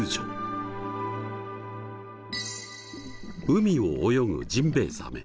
海を泳ぐジンベイザメ。